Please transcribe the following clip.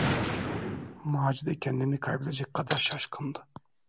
Macide kendini kaybedecek kadar şaşkındı.